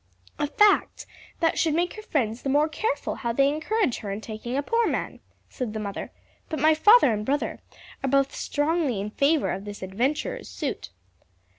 "A fact that should make her friends the more careful how they encourage her in taking a poor man," said the mother; "but my father and brother are both strongly in favor of this adventurer's suit."